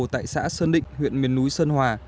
tại xã sơn định huyện miền núi sơn hòa